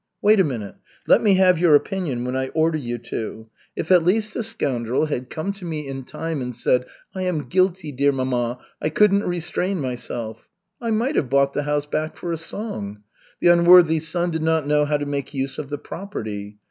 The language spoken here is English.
"Wait a minute. Let me have your opinion when I order you to. If at least the scoundrel had come to me in time and said: 'I am guilty, dear mamma, I couldn't restrain myself,' I might have bought the house back for a song. The unworthy son did not know how to make use of the property.